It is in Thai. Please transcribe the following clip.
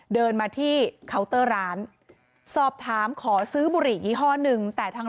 เดินมาที่ร้านสอบถามขอซื้อบุหรี่ยี่ห้อหนึ่งแต่ทาง